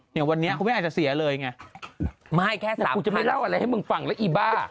อย่างวันนี้คุณแม่อาจจะเสียเลยไงไม่แค่ไหนกูจะไม่เล่าอะไรให้มึงฟังแล้วอีบ้า